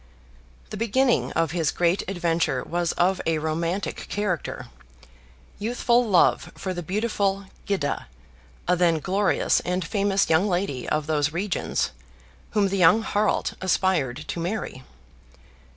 The beginning of his great adventure was of a romantic character. youthful love for the beautiful Gyda, a then glorious and famous young lady of those regions, whom the young Harald aspired to marry.